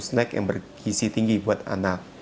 kalau snack yang berkisi tinggi buat anak